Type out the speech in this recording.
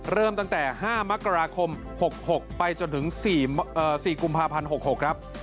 เริ่มตั้งแต่๕มกราคม๖๖ไปจนถึง๔กุมภาพันธ์๖๖ครับ